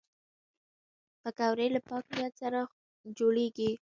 پکورې له پاک نیت سره جوړېږي